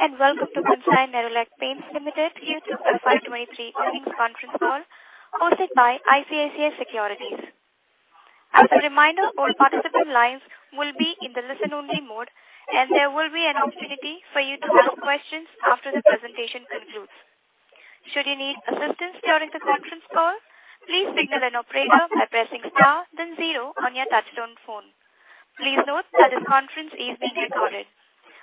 Hey, welcome to Kansai Nerolac Paints Limited Q2 FY 2023 earnings conference call hosted by ICICI Securities. As a reminder, all participant lines will be in the listen-only mode, and there will be an opportunity for you to ask questions after the presentation concludes. Should you need assistance during this conference call, please signal an operator by pressing star then zero on your touchtone phone. Please note that this conference is being recorded.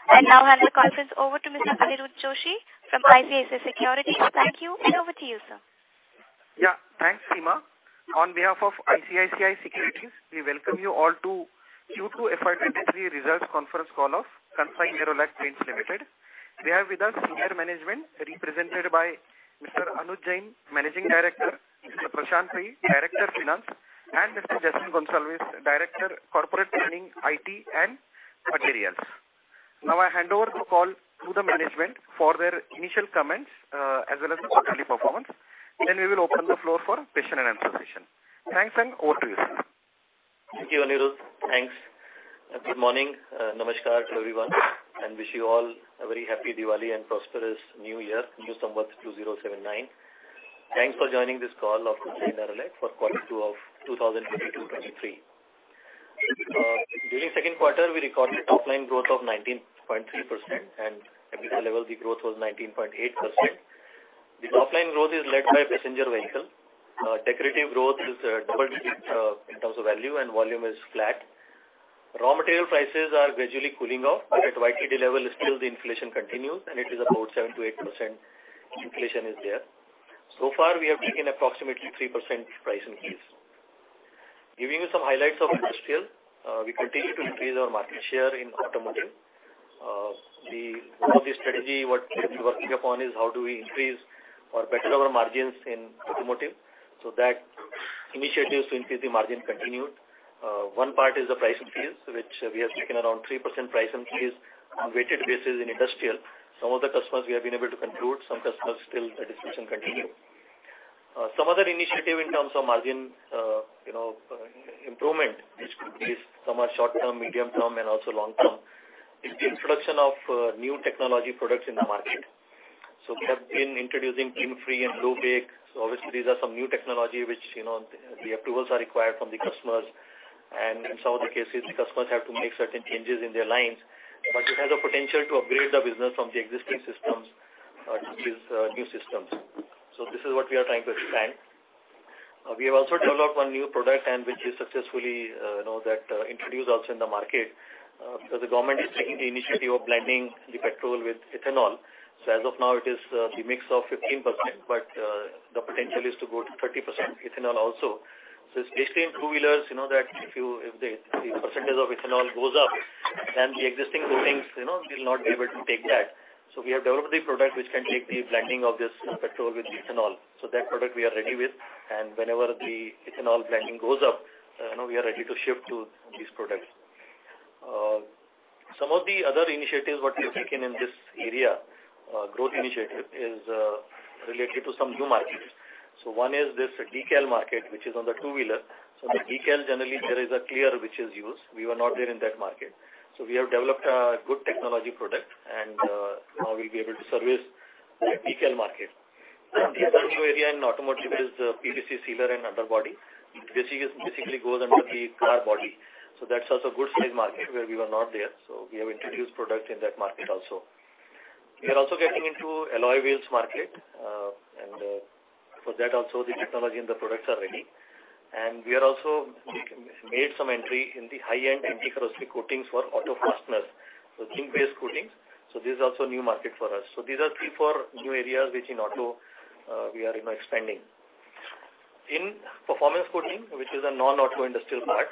I now hand the conference over to Mr. Aniruddha Joshi from ICICI Securities. Thank you and over to you, sir. Yeah, thanks, Seema. On behalf of ICICI Securities, we welcome you all to Q2 FY23 results conference call of Kansai Nerolac Paints Limited. We have with us senior management represented by Mr. Anuj Jain, Managing Director, Mr. Prashant Pai, Director Finance, and Mr. Jason Gonsalves, Director - Corporate Planning, IT & Materials. Now, I hand over the call to the management for their initial comments, as well as the quarterly performance. Then we will open the floor for question and answer session. Thanks, and over to you, sir. Thank you, Anirudh. Thanks. Good morning. Namaskar to everyone, and wish you all a very happy Diwali and prosperous New Year, Samvat 2079. Thanks for joining this call of Kansai Nerolac for quarter two of 2022/23. During second quarter, we recorded top line growth of 19.3% and EBITDA, the growth was 19.8%. The top line growth is led by passenger vehicle. Decorative growth is double-digit in terms of value and volume is flat. Raw material prices are gradually cooling off, but at YTD level still the inflation continues and it is about 7%-8% inflation is there. So far, we have taken approximately 3% price increase. Giving you some highlights of industrial, we continue to increase our market share in automotive. One of the strategies we're working upon is how do we increase or better our margins in automotive. Those initiatives to increase the margin continued. One part is the price increase, which we have taken around 3% price increase on weighted basis in industrial. Some of the customers we have been able to conclude, some customers still the discussion continue. Some other initiative in terms of margin, you know, improvement, which could be some are short-term, medium-term, and also long-term, is the introduction of new technology products in the market. We have been introducing PGM-Free and Low Bake. Obviously, these are some new technology which, you know, the approvals are required from the customers. In some of the cases, the customers have to make certain changes in their lines, but it has a potential to upgrade the business from the existing systems to these new systems. This is what we are trying to expand. We have also developed one new product and which is successfully, you know, that, introduced also in the market. The government is taking the initiative of blending the petrol with ethanol. As of now, it is the mix of 15%, but the potential is to go to 30% ethanol also. Especially in two-wheelers, you know that if the percentage of ethanol goes up, then the existing coatings, you know, will not be able to take that. We have developed a product which can take the blending of this petrol with ethanol. That product we are ready with, and whenever the ethanol blending goes up, you know, we are ready to shift to these products. Some of the other initiatives what we have taken in this area, growth initiative is, related to some new markets. One is this decal market, which is on the two-wheeler. The decal generally there is a clear which is used. We were not there in that market. We have developed a good technology product, and, now we'll be able to service the decal market. The other new area in automotive is the PVC sealer and underbody. This is basically goes under the car body. That's also a good size market where we were not there. We have introduced product in that market also. We are also getting into alloy wheels market, for that also the technology and the products are ready. We have also made some entry in the high-end anti-corrosive coatings for auto fasteners, so zinc-based coatings. This is also a new market for us. These are three to four new areas which in auto we are, you know, expanding. In performance coating, which is a non-auto industrial part,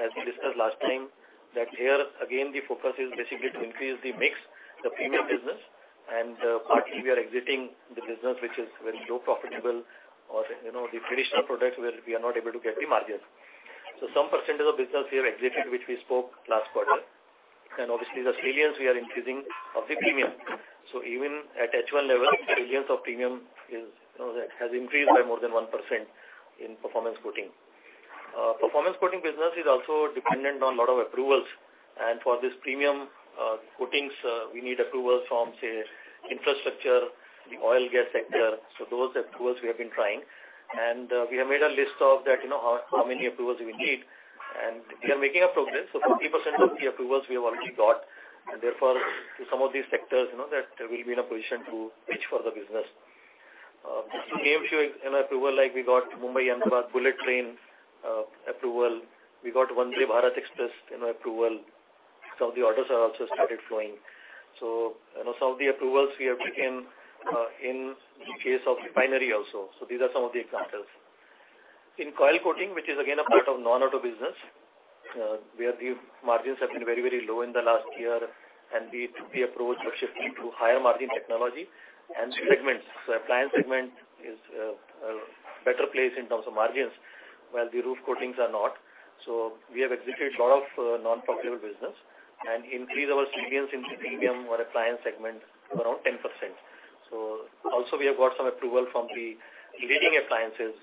as we discussed last time, that here again the focus is basically to increase the mix, the premium business and, partly we are exiting the business which is very low profitable or, you know, the traditional products where we are not able to get the margin. Some percentage of business we have exited, which we spoke last quarter. Obviously the sales we are increasing of the premium. Even at H1 level, sales of premium is, you know, that has increased by more than 1% in performance coating. Performance coating business is also dependent on a lot of approvals. For this premium, coatings, we need approvals from, say, infrastructure, the oil & gas sector. Those approvals we have been trying. We have made a list of that, you know, how many approvals we need. We are making progress. 50% of the approvals we have already got. Therefore, to some of these sectors, you know, that we'll be in a position to pitch for the business. To name a few, you know, approvals like we got Mumbai-Ahmedabad bullet train approval, we got Vande Bharat Express approval. Some of the orders have also started flowing. You know, some of the approvals we have taken in case of refinery also. These are some of the examples. In coil coating, which is again a part of non-auto business, where the margins have been very, very low in the last year, and our approach to shifting to higher margin technology and segments. Appliance segment is better placed in terms of margins, while the roof coatings are not. We have exited lot of non-profitable business and increased our sales into premium or appliance segment around 10%. Also we have got some approval from the leading appliances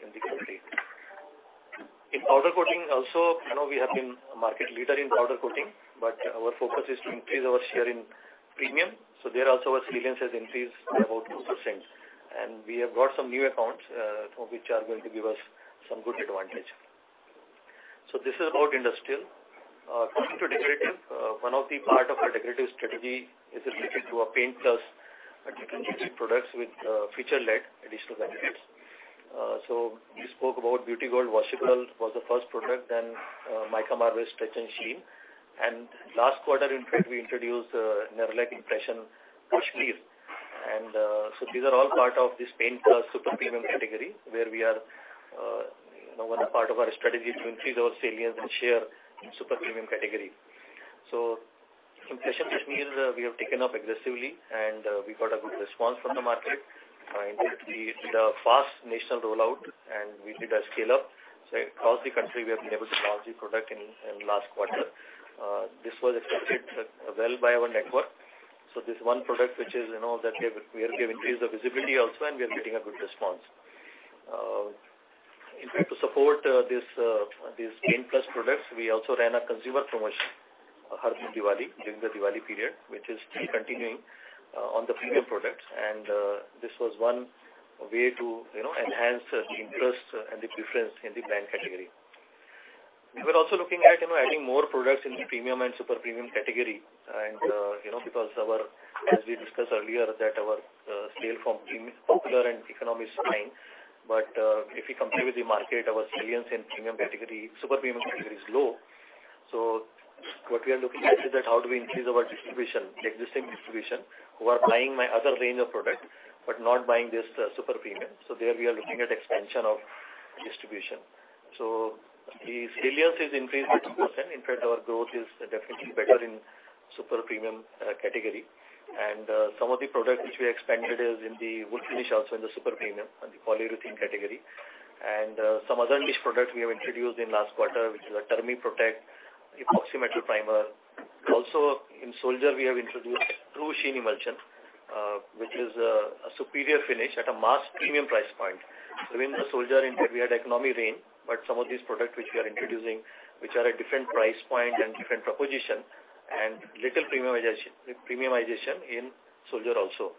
in the country. In powder coating also, I know we have been a market leader in powder coating, but our focus is to increase our share in premium. There also our salience has increased by about 2%. We have got some new accounts, which are going to give us some good advantage. This is about industrial. Coming to decorative, one of the part of our decorative strategy is related to a paint plus products with feature-led additional benefits. We spoke about Beauty Gold Washable was the first product, then, Excel Mica Marble Stretch & Sheen. Last quarter, in fact, we introduced Nerolac Impressions Kashmir. These are all part of this paint plus super premium category, where we are, you know, one part of our strategy to increase our salience and share in super premium category. Impressions Kashmir, we have taken up aggressively, and we got a good response from the market. In fact, we did a fast national rollout, and we did a scale-up. Across the country, we have been able to launch the product in last quarter. This was accepted well by our network. This one product which is, you know, that we have increased the visibility also, and we are getting a good response. In fact, to support this, these paint plus products, we also ran a consumer promotion, Har Ghadi Diwali, during the Diwali period, which is still continuing on the premium products. This was one way to, you know, enhance the interest and the preference in the brand category. We were also looking at, you know, adding more products in the premium and super premium category. You know, because our, as we discussed earlier, that our sale from premium is popular and economy is fine. If we compare with the market, our salience in premium category, super premium category is low. What we are looking at is that how do we increase our distribution, existing distribution, who are buying my other range of product, but not buying this super premium. There we are looking at expansion of distribution. The salience has increased 50%. In fact, our growth is definitely better in super premium category. Some of the products which we expanded is in the wood finish also in the super premium, in the polyurethane category. Some other niche product we have introduced in last quarter, which is a Termi-protect Epoxy Metal Primer. Also in Soldier, we have introduced True Sheen Emulsion, which is a superior finish at a mass premium price point. In the Soldier, in fact, we had economy range, but some of these products which we are introducing, which are a different price point and different proposition, and little premiumization in Soldier also.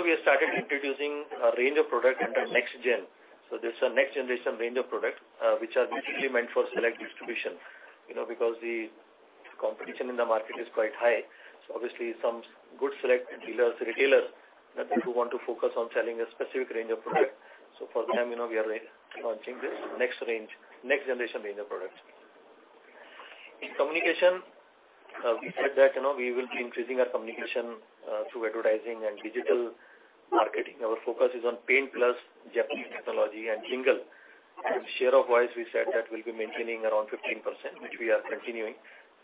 We have started introducing a range of product under Next Gen. This is a next generation range of products, which are basically meant for select distribution, you know, because the competition in the market is quite high. Obviously some good select dealers, retailers that people want to focus on selling a specific range of product. For them, you know, we are launching this next range, next generation range of products. In communication, we said that, you know, we will be increasing our communication through advertising and digital marketing. Our focus is on paint plus Japanese technology and jingle. Share of voice, we said that we'll be maintaining around 15%, which we are continuing.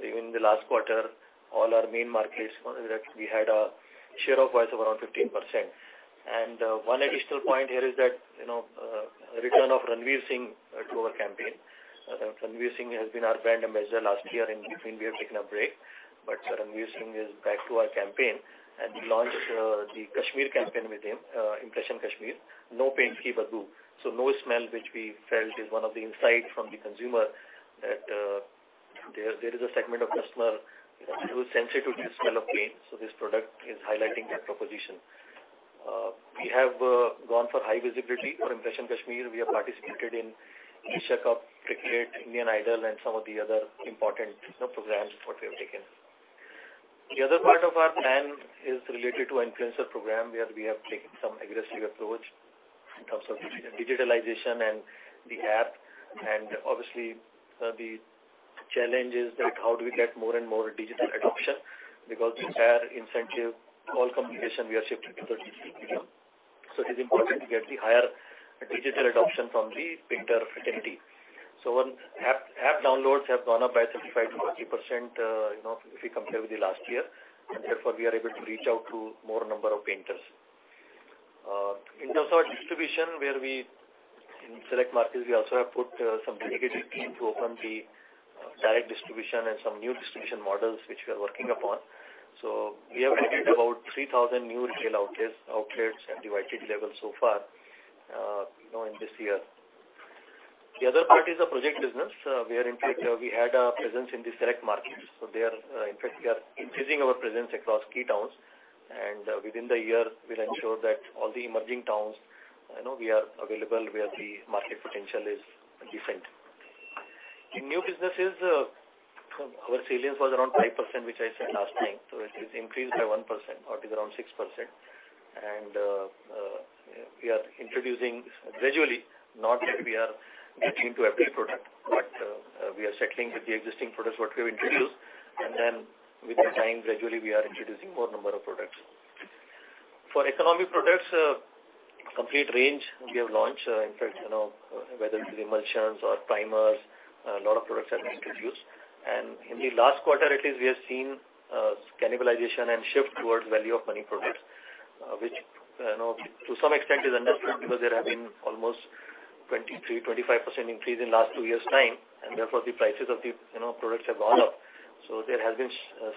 Even in the last quarter, all our main markets, for instance, we had a share of voice of around 15%. One additional point here is that, you know, return of Ranveer Singh to our campaign. Ranveer Singh has been our brand ambassador last year. In between, we have taken a break. Ranveer Singh is back to our campaign, and we launched the Kashmir campaign with him, Impressions Kashmir, No Paint Ki Badbu. So no smell, which we felt is one of the insight from the consumer that there is a segment of customer who is sensitive to the smell of paint. So this product is highlighting that proposition. We have gone for high visibility. For Impressions Kashmir, we have participated in Asia Cup, Indian Idol, and some of the other important, you know, programs what we have taken. The other part of our plan is related to influencer program, where we have taken some aggressive approach in terms of digitalization and the app. Obviously, the challenge is that how do we get more and more digital adoption because the entire incentive, all communication, we are shifting to the digital medium. It is important to get the higher digital adoption from the painter fraternity. App downloads have gone up by 65%-70%, you know, if we compare with the last year. Therefore, we are able to reach out to more number of painters. In terms of our distribution, in select markets, we also have put some dedicated team to open the direct distribution and some new distribution models which we are working upon. We have added about 3,000 new retail outlets at the YTD level so far, you know, in this year. The other part is the project business. In fact, we had a presence in the select markets. There, in fact, we are increasing our presence across key towns. Within the year, we'll ensure that all the emerging towns, you know, we are available where the market potential is different. In new businesses, our salience was around 5%, which I said last time. It is increased by 1% or it is around 6%. We are introducing gradually, not getting to every product, but settling with the existing products what we have introduced. Then with time, gradually we are introducing more number of products. For economy products, complete range we have launched. In fact, you know, whether it is emulsions or primers, a lot of products have been introduced. In the last quarter at least, we have seen cannibalization and shift towards value for money products, which, you know, to some extent is understandable because there have been almost 23%-25% increase in last two years' time. Therefore, the prices of the, you know, products have gone up. There has been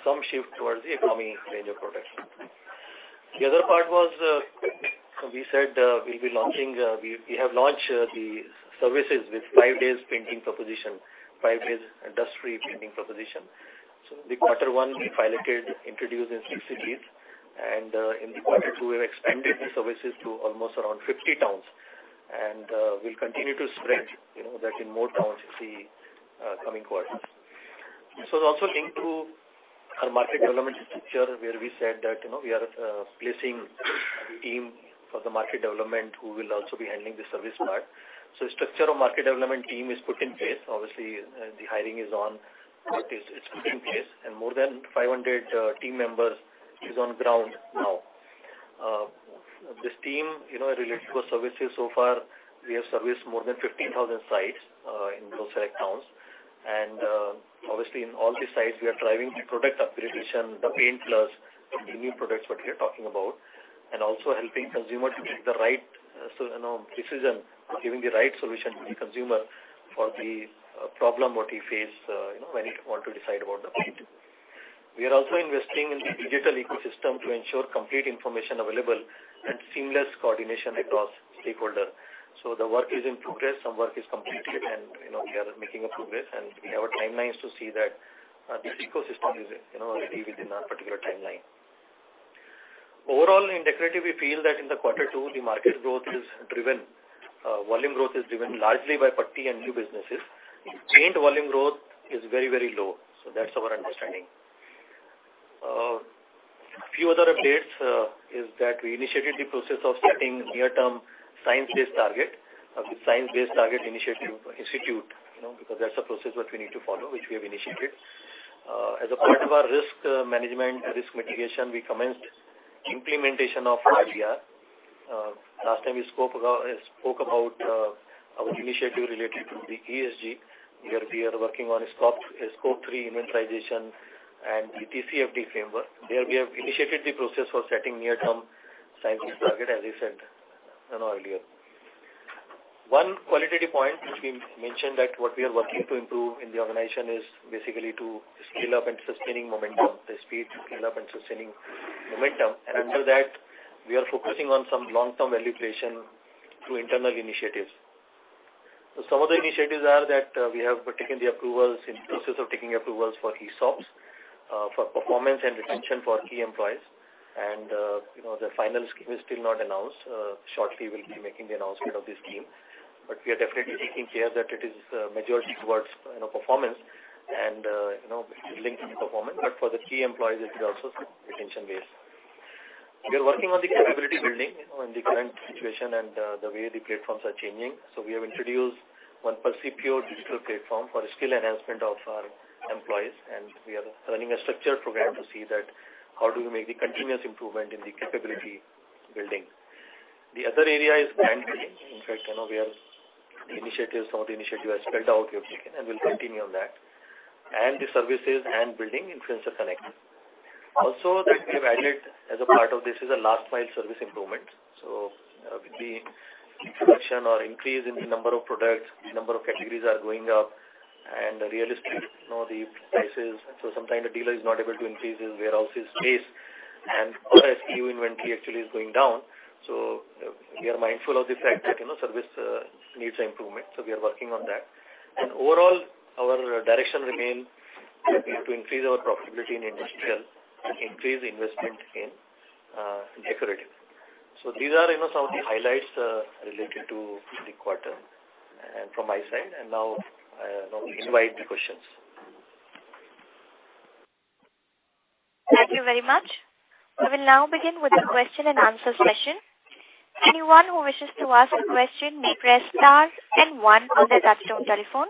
some shift towards the economy range of products. The other part was, we said, we'll be launching, we have launched the services with five days painting proposition, five days industrial painting proposition. Quarter one we piloted introduced in six cities, and in quarter two we've expanded the services to almost around 50 towns, and we'll continue to spread, you know, that in more towns in the coming quarters. Also linked to our market development structure, where we said that, you know, we are placing a team for the market development who will also be handling the service part. Structure of market development team is put in place. Obviously, the hiring is on. Work is put in place, and more than 500 team members is on ground now. This team, you know, related to our services so far, we have serviced more than 15,000 sites in those select towns. Obviously in all the sites we are driving product upgradation, the Paint Plus, the new products what we are talking about, and also helping consumer to take the right you know, decision, giving the right solution to the consumer for the problem what he face, you know, when he want to decide about the paint. We are also investing in the digital ecosystem to ensure complete information available and seamless coordination across stakeholder. The work is in progress. Some work is completed and, you know, we are making a progress. We have our timelines to see that this ecosystem is, you know, ready within our particular timeline. Overall, in decorative we feel that in the quarter two the market growth is driven, volume growth is driven largely by putty and new businesses. Paint volume growth is very, very low. That's our understanding. Few other updates is that we initiated the process of setting near-term science-based targets, Science Based Targets initiative, you know, because that's a process what we need to follow, which we have initiated. As a part of our risk management, risk mitigation, we commenced implementation of IRM. Last time we spoke about our initiative related to the ESG, where we are working on scope three inventorization and TCFD framework. There we have initiated the process for setting near-term science-based targets, as I said, you know, earlier. One qualitative point which we mentioned that what we are working to improve in the organization is basically to scale up and sustaining momentum, the speed to scale up and sustaining momentum. Under that we are focusing on some long-term value creation through internal initiatives. Some of the initiatives are that, we have taken the approvals, in process of taking approvals for ESOPs, for performance and retention for key employees. You know, the final scheme is still not announced. Shortly we'll be making the announcement of this scheme. We are definitely taking care that it is, majority towards, you know, performance and, you know, linked to the performance. For the key employees it is also retention-based. We are working on the capability building, you know, in the current situation and, the way the platforms are changing. We have introduced one Percipio digital platform for skill enhancement of our employees, and we are running a structured program to see that how do we make the continuous improvement in the capability building. The other area is brand building. In fact, you know, we have the initiatives. Some of the initiatives are spelled out here, and we'll continue on that. The services and building influencer connect. Also that we have added as a part of this is a last mile service improvement. With the introduction or increase in the number of products, the number of categories are going up and realistically, you know, the prices. Sometimes the dealer is not able to increase his warehouse's space and our SKU inventory actually is going down. We are mindful of the fact that, you know, service needs improvement, so we are working on that. Overall, our direction remain to increase our profitability in industrial and increase investment in decorative. These are, you know, some of the highlights, related to the quarter. From my side, now I invite the questions. Thank you very much. We will now begin with the question and answer session. Anyone who wishes to ask a question may press star then one on their touchtone telephone.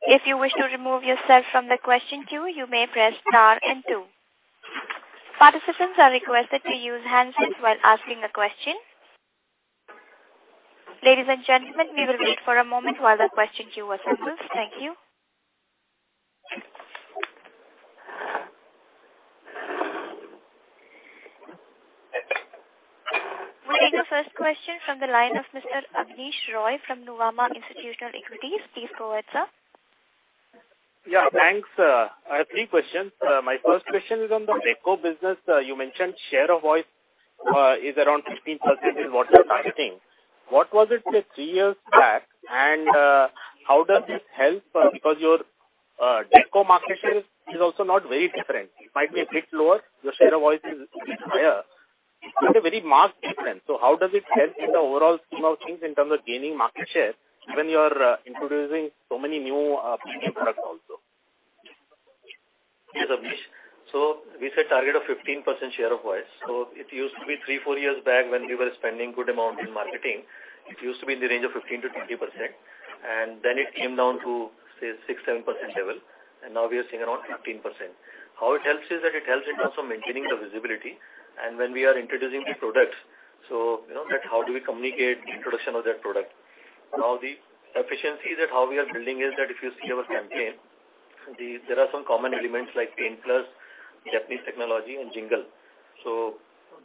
If you wish to remove yourself from the question queue, you may press star and two. Participants are requested to use handsets while asking a question. Ladies and gentlemen, we will wait for a moment while the question queue assembles. Thank you. We'll take our first question from the line of Mr. Abneesh Roy from Nuvama Institutional Equities. Please go ahead, sir. Yeah. Thanks. I have three questions. My first question is on the deco business. You mentioned share of voice is around 15% in what you're targeting. What was it, say, three years back? And how does this help? Because your deco market share is also not very different. It might be a bit lower. Your share of voice is a bit higher. Not a very marked difference. So how does it help in the overall scheme of things in terms of gaining market share when you are introducing so many new premium products also? Yes, Abneesh. We said target of 15% share of voice. It used to be three to four years back when we were spending good amount in marketing. It used to be in the range of 15%-20%, and then it came down to, say, 6%-7% level, and now we are seeing around 15%. How it helps is that it helps in terms of maintaining the visibility and when we are introducing the products. You know that how do we communicate introduction of that product? Now the efficiencies at how we are building is that if you see our campaign, there are some common elements like Paint Plus, Japanese technology and jingle.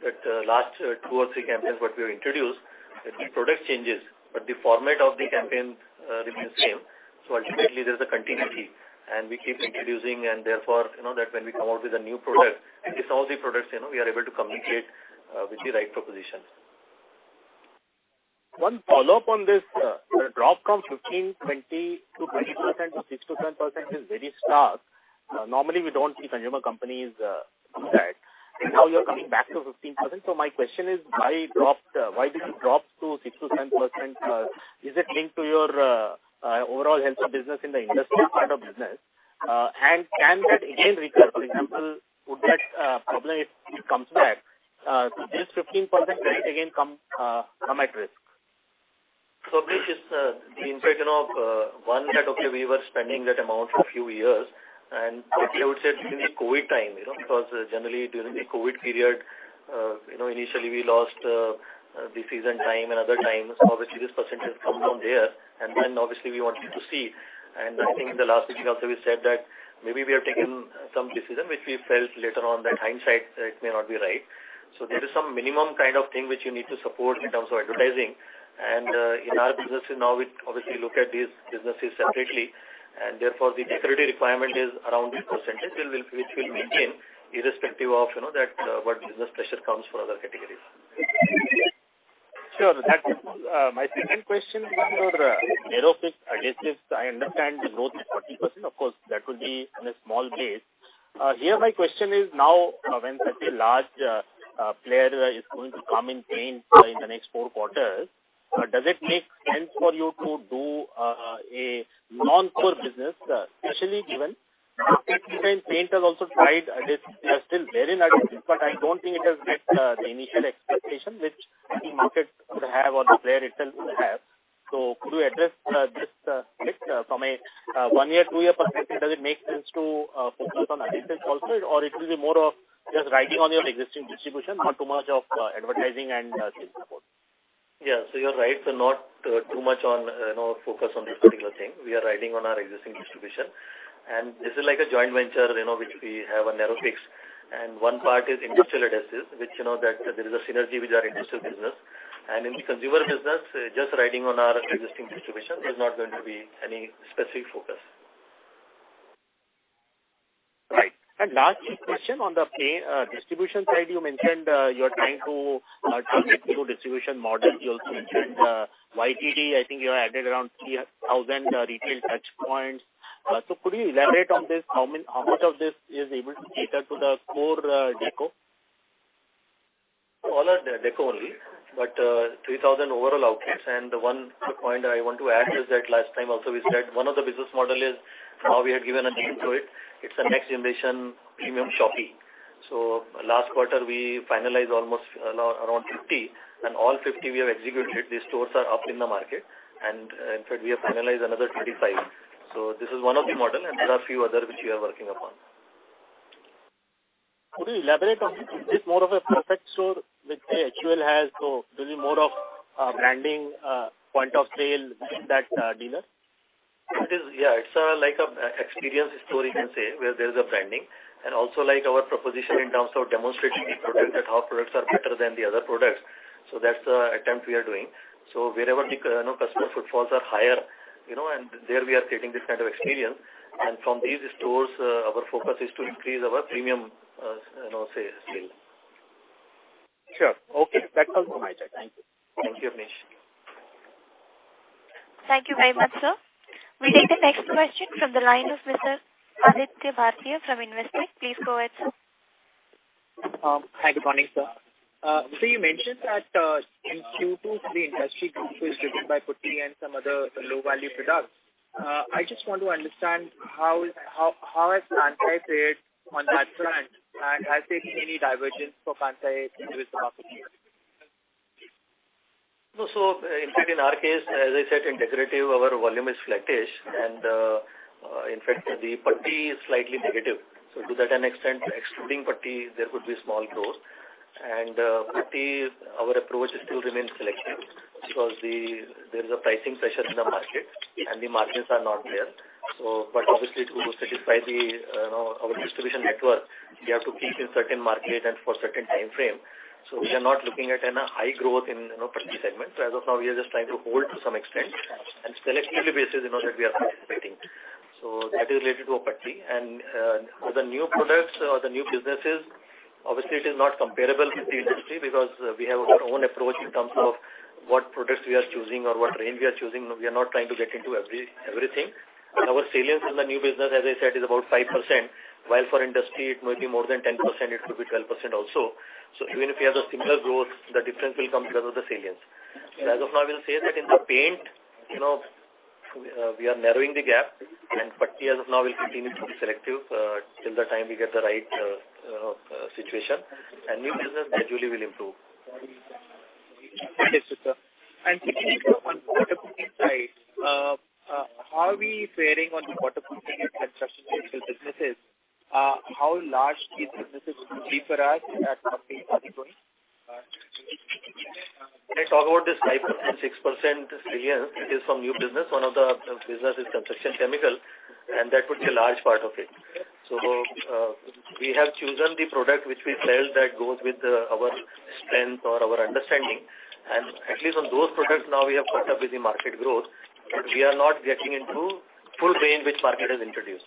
That last two or three campaigns what we have introduced, the product changes, but the format of the campaigns remains same. Ultimately, there's a continuity and we keep introducing and therefore, you know that when we come out with a new product, it's all the products, you know, we are able to communicate with the right propositions. One follow-up on this. The drop from 15%-20% to 6%-10% is very stark. Normally, we don't see consumer companies do that. Now you're coming back to 15%. My question is why did it drop to 6%-10%. Is it linked to your overall health of business in the industrial part of business? Can that again recur? For example, would that problem if it comes back, will this 15% rate again come at risk? This is the impact, you know, we were spending that amount for a few years, and I would say during the COVID time, you know, because generally during the COVID period, you know, initially we lost the season time and other times, obviously this percentage come from there. Then obviously we wanted to see. I think in the last meeting also we said that maybe we have taken some decision, which we felt later on, in hindsight it may not be right. There is some minimum kind of thing which you need to support in terms of advertising. In our business now, we obviously look at these businesses separately, and therefore the decorative requirement is around this percentage, which we'll maintain irrespective of, you know, that what business pressure comes from other categories. Sure. That's my second question on your Nerofix adhesives. I understand the growth is 40%. Of course, that will be on a small base. Here my question is now when such a large player is going to come in paint in the next four quarters, does it make sense for you to do a non-core business, especially given paint has also tried this. They are still very negative, but I don't think it has met the initial expectation which the market could have or the player itself could have. Could you address this from a one-year, two-year perspective, does it make sense to focus on adhesives also, or it will be more of just riding on your existing distribution, not too much of advertising and sales support? Yeah. You're right. Not too much on, you know, focus on this particular thing. We are riding on our existing distribution, and this is like a joint venture, you know, which we have a Nerofix, and one part is industrial adhesives, which you know that there is a synergy with our industrial business. In consumer business, just riding on our existing distribution. There's not going to be any specific focus. Right. Last question on the distribution side, you mentioned, you're trying to transition through distribution model. You also mentioned, YTD, I think you have added around 3,000 retail touch points. Could you elaborate on this? How much of this is able to cater to the core deco? All are deco only, but 3,000 overall outlets. One point I want to add is that last time also we said one of the business model is how we have given a name to it. It's a next generation premium shopping. Last quarter we finalized almost around 50 stores and all 50 stores we have executed. These stores are up in the market, and in fact we have finalized another 35 stores. This is one of the model and there are a few other which we are working upon. Could you elaborate on this? Is this more of a perfect store which HUL has? This is more of a branding, point of sale that dealer. It is. Yeah, it's like an experience store you can say, where there is a branding and also like our proposition in terms of demonstrating the product, that our products are better than the other products. So that's the attempt we are doing. So wherever the you know, customer footfalls are higher, you know, and there we are creating this kind of experience. From these stores, our focus is to increase our premium, you know, say, sale. Sure. Okay. That concludes my chat. Thank you. Thank you, Manish. Thank you very much, sir. We take the next question from the line of Mr. Aditya Bhartia from Investec. Please go ahead, sir. Hi. Good morning, sir. You mentioned that in Q2, the industry growth was driven by putty and some other low value products. I just want to understand how has Kansai fared on that front, and has there been any divergence for Kansai in this market? No. In fact, in our case, as I said, in decorative our volume is flattish. In fact the putty is slightly negative. To that extent, excluding putty, there could be small growth. Putty, our approach still remains selective because there is a pricing pressure in the market and the margins are not there. Obviously to satisfy the, you know, our distribution network, we have to keep in certain market and for certain time frame. We are not looking at a high growth in, you know, putty segment. As of now, we are just trying to hold to some extent and selectively basis, you know, that we are participating. That is related to putty. The new products or the new businesses, obviously it is not comparable with the industry because we have our own approach in terms of what products we are choosing or what range we are choosing. We are not trying to get into everything. Our salience in the new business, as I said, is about 5%, while for industry it may be more than 10%, it could be 12% also. Even if we have the similar growth, the difference will come because of the salience. As of now, we'll say that in the paint, you know, we are narrowing the gap and putty as of now will continue to be selective, till the time we get the right situation and new business gradually will improve. Okay, super. Secondly, sir, on waterproofing side, how are we faring on the waterproofing and construction chemicals businesses? How large these businesses could be for us as the economy is recovering? When I talk about this 5%-6% trillion is from new business. One of the business is construction chemical, and that would be a large part of it. We have chosen the product which we sell that goes with our strength or our understanding. At least on those products now we have caught up with the market growth. We are not getting into full range which market has introduced.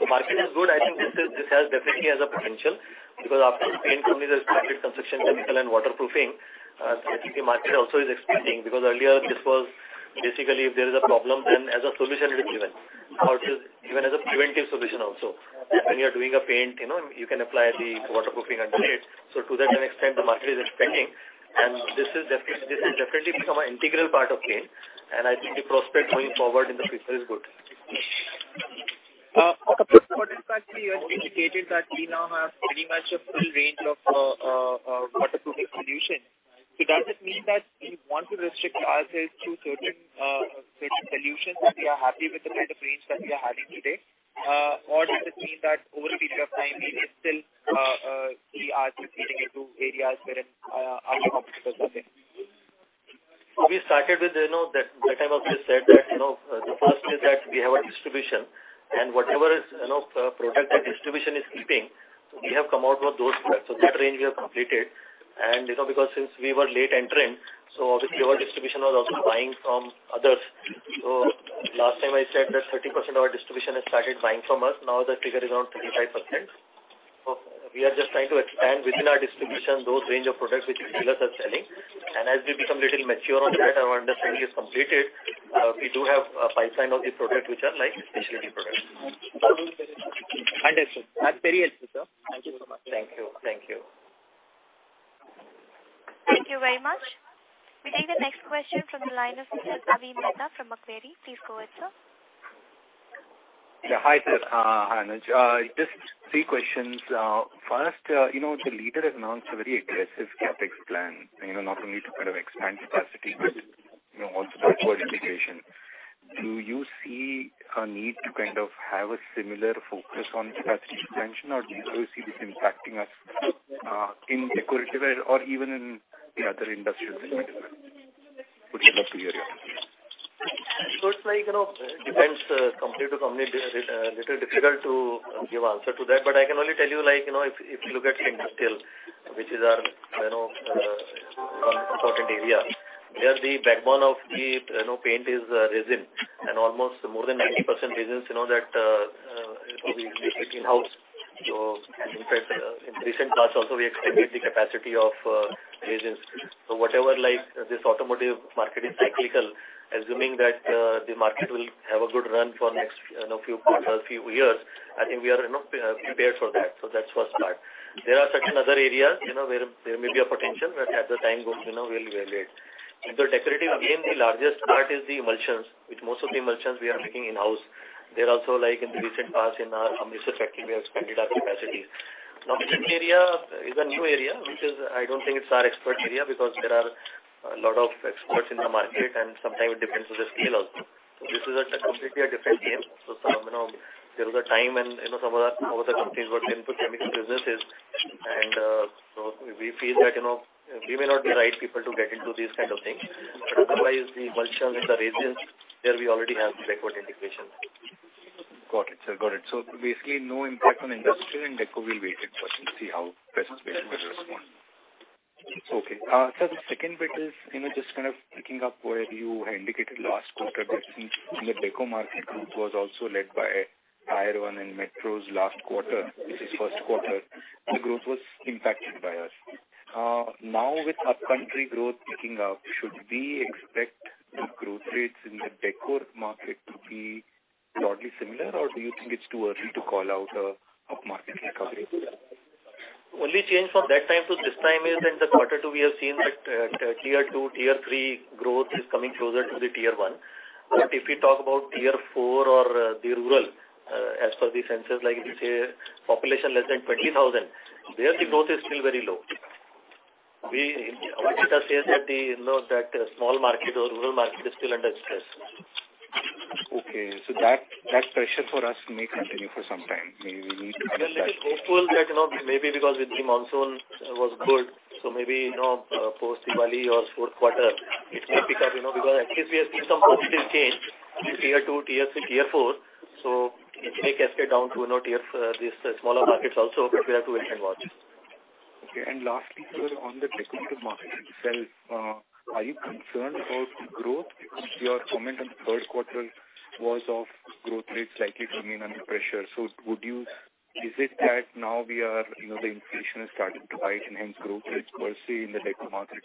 The market is good. I think this has definitely a potential because after paint only there's market construction chemical and waterproofing. I think the market also is expanding because earlier this was basically if there is a problem, then as a solution it is given. Or even as a preventive solution also. When you are doing a paint, you know, you can apply the waterproofing underneath. To that extent the market is expanding and this has definitely become an integral part of paint and I think the prospect going forward in the future is good. For the first quarter actually you had indicated that we now have pretty much a full range of waterproofing solutions. Does it mean that we want to restrict ourselves to certain solutions and we are happy with the kind of range that we are having today? Or does it mean that over a period of time maybe still we are competing into areas where our competitors are there? We started with, you know, that time I've just said that, you know, the first is that we have a distribution and whatever is, you know, product that distribution is keeping, we have come out with those products. That range we have completed. You know, because since we were late entering, obviously our distribution was also buying from others. Last time I said that 30% of our distribution has started buying from us, now the figure is around 35%. We are just trying to expand within our distribution those range of products which dealers are selling. As we become little mature on the brand, our understanding is completed, we do have a pipeline of the product which are like specialty products. Understood. That's very helpful, sir. Thank you so much. Thank you. Thank you. Thank you very much. We take the next question from the line of Mr. Avi Mehta from Macquarie. Please go ahead, sir. Yeah, hi, sir. Hi, Anuj. Just three questions. First, you know, the leader has announced a very aggressive CapEx plan, you know, not only to kind of expand capacity but, you know, also for verticalization. Do you see a need to kind of have a similar focus on capacity expansion or do you see this impacting us in decorative or even in the other industrial segment? Would love to hear your views. It's like, you know, depends, company to company. Little difficult to give answer to that. I can only tell you like, you know, if you look at industrial, which is our, you know, one important area. There the backbone of the, you know, paint is resin and almost more than 90% resins, you know, that we make in-house. In fact, in recent past also we expanded the capacity of resins. Whatever like this automotive market is cyclical, assuming that the market will have a good run for next, you know, few years, I think we are, you know, prepared for that. That's first part. There are certain other areas, you know, where there may be a potential, but as the time goes, you know, we'll evaluate. In the decorative, again, the largest part is the emulsions. With most of the emulsions we are making in-house. They're also, like, in the recent past in our Amritsar factory we have expanded our capacities. Now, chemical area is a new area, which is I don't think it's our expert area because there are a lot of experts in the market and sometimes it depends on the scale also. This is a completely a different game. You know, there was a time when, you know, some of the companies were getting into chemicals businesses and so we feel that, you know, we may not be the right people to get into these kind of things. Otherwise the emulsion and the resins, there we already have backward integration. Got it, sir. Got it. Basically no impact on industrial and deco, we'll wait and watch and see how participants will respond. Okay. Sir, the second bit is, you know, just kind of picking up where you had indicated last quarter that in the deco market growth was also led by higher-end and metros last quarter, which is first quarter. The growth was impacted by us. Now with upcountry growth picking up, should we expect the growth rates in the decor market to be broadly similar, or do you think it's too early to call out a market recovery? Only change from that time to this time is in the quarter two we have seen that tier two, tier three growth is coming closer to the tier one. If we talk about tier four or the rural as per the census, like if you say population less than 20,000 people, there the growth is still very low. Our data says that, you know, that small market or rural market is still under stress. Okay. That pressure for us may continue for some time. Maybe we need to understand. We are little hopeful that, you know, maybe because with the monsoon was good, so maybe, you know, post Diwali or fourth quarter it may pick up, you know, because at least we have seen some positive change in tier two, tier three, tier four. It may cascade down to, you know, these smaller markets also, but we have to wait and watch. Okay. Lastly, sir, on the decorative market itself, are you concerned about the growth? Your comment on the first quarter was of growth rates likely to remain under pressure. Is it that now we are, you know, the inflation is starting to bite and hence growth rates per se in the decor market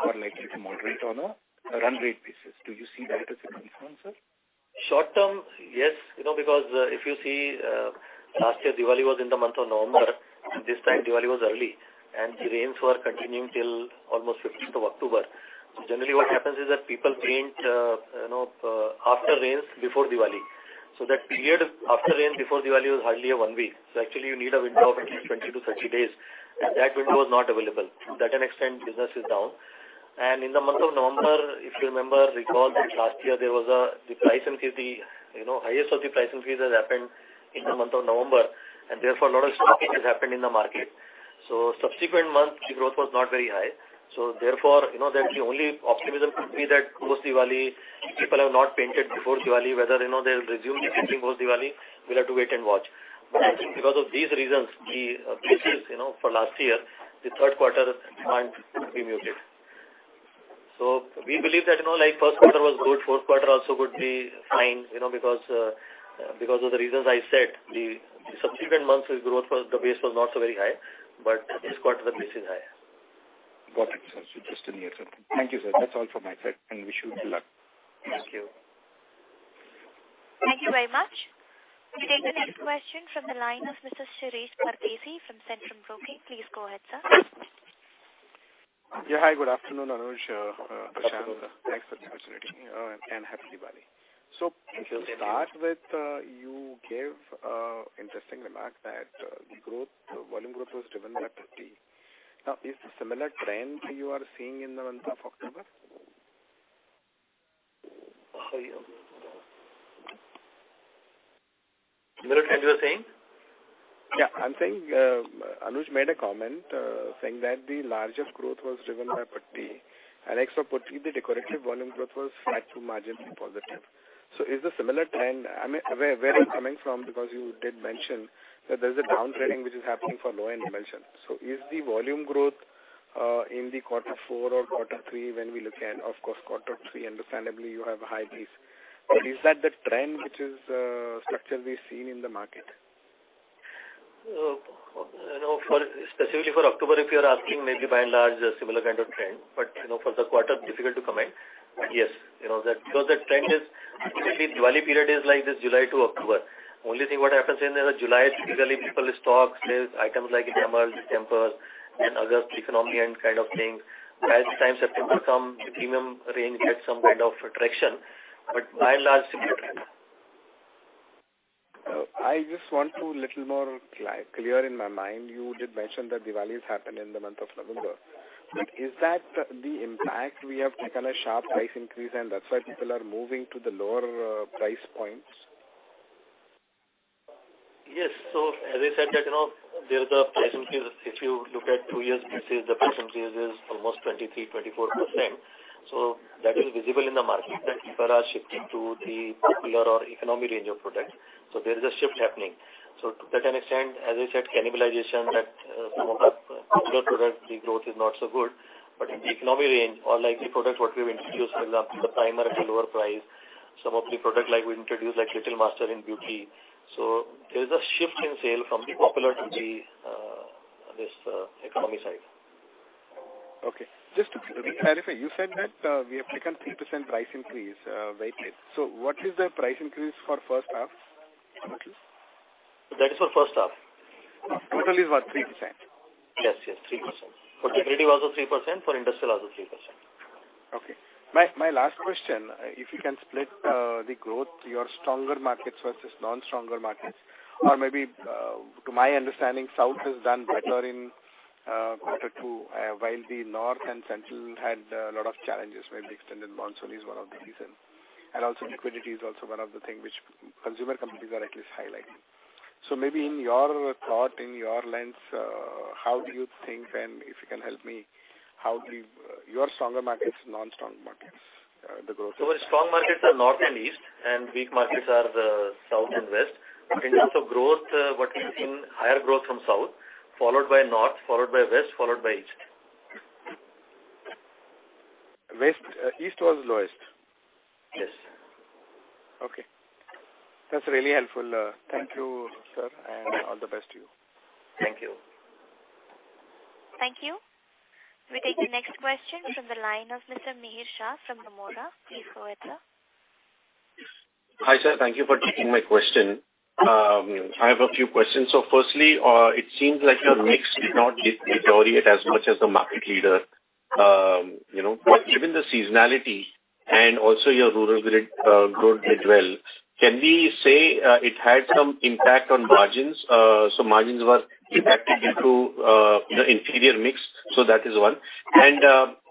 are likely to moderate on a run rate basis? Do you see that as a concern, sir? Short term, yes. You know, because if you see last year Diwali was in the month of November. This time Diwali was early, and the rains were continuing till almost 15th of October. Generally what happens is that people paint you know after rains, before Diwali. That period after rain, before Diwali was hardly one week. Actually you need a window of at least 20-30 days, and that window is not available. To that extent business is down. In the month of November, if you remember, recall that last year there was the price increase, the highest of the price increase has happened in the month of November. Therefore, a lot of stocking has happened in the market. Subsequent months, the growth was not very high. Therefore, you know that the only optimism could be that post-Diwali, people have not painted before Diwali, whether, you know, they'll resume the painting post-Diwali, we'll have to wait and watch. Because of these reasons, the bases, you know, for last year, the third quarter can't be muted. We believe that, you know, like first quarter was good, fourth quarter also could be fine, you know, because of the reasons I said, the subsequent months' growth was the base was not so very high. This quarter the base is high. Got it, sir. Just to be accepted. Thank you, sir. That's all from my side, and wish you good luck. Thank you. Thank you very much. We take the next question from the line of Mr. Shirish Pardeshi from Centrum Broking. Please go ahead, sir. Yeah. Hi, good afternoon, Anuj, Prashant. Thanks for the opportunity, and Happy Diwali. To start with, you gave an interesting remark that the growth, volume growth was driven by putty. Now, is the similar trend you are seeing in the month of October? Similar trend you are saying? I'm saying, Anuj made a comment, saying that the largest growth was driven by putty. Except putty, the decorative volume growth was flat to marginally positive. Is the similar trend? I mean, where I'm coming from, because you did mention that there's a downtrend which is happening for low-end emulsion. Is the volume growth in quarter four or quarter three when we look at, of course, quarter three, understandably, you have a high base. Is that the trend which is structurally seen in the market? You know, for specifically for October, if you're asking maybe by and large a similar kind of trend, but, you know, for the quarter, difficult to comment. Yes. You know that because the trend is typically Diwali period is like this July to October. Only thing what happens in July, typically people stock, there's items like enamels, distempers and other economy-end kind of things. As the time September come, the premium range gets some kind of attraction, but by and large similar trend. I just want to little more clear in my mind. You did mention that Diwali has happened in the month of November. Is that the impact we have taken a sharp price increase and that's why people are moving to the lower price points? Yes. As I said that, you know, there's a price increase. If you look at two-year basis, the price increase is almost 23%-24%. That is visible in the market that people are shifting to the popular or economy range of products. There is a shift happening. To that extent, as I said, cannibalization that some of the popular products, the growth is not so good. But in the economy range or like the product what we've introduced, for example, the primer at a lower price, some of the product like we introduced like Little Master in Beauty. There is a shift in sale from the popular to the economy side. Okay. Just to clarify, you said that we have taken 3% price increase, weightage. What is the price increase for first half roughly? That is for first half. Total is what? 3%. Yes, yes, 3%. For decorative also 3%, for industrial also 3%. Okay. My last question, if you can split the growth, your stronger markets versus non-stronger markets. Or maybe, to my understanding, South has done better in quarter two, while the North and Central had a lot of challenges, where the extended monsoon is one of the reasons. Also liquidity is also one of the thing which consumer companies are at least highlighting. So maybe in your thought, in your lens, how do you think and if you can help me, how your stronger markets, non-strong markets, the growth? Our strong markets are North and East, and weak markets are the South and West. In terms of growth, what we've seen, higher growth from South, followed by North, followed by West, followed by East. West. East was lowest? Yes. Okay. That's really helpful. Thank you, sir, and all the best to you. Thank you. Thank you. We take the next question from the line of Mr. Mihir Shah from Nomura. Please go ahead, sir. Hi, sir. Thank you for taking my question. I have a few questions. Firstly, it seems like your mix did not deteriorate as much as the market leader. You know, given the seasonality and also your rural grid growth did well, can we say it had some impact on margins? Margins were impacted due to the inferior mix, so that is one.